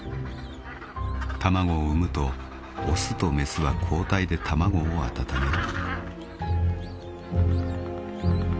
［卵を産むと雄と雌は交代で卵を温める］